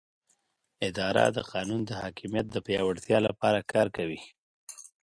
اداره د قانون د حاکمیت د پیاوړتیا لپاره کار کوي.